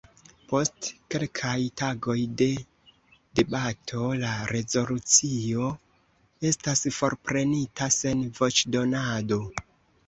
Post kelkaj tagoj de debato, la rezolucio estas forprenita sen voĉdonado.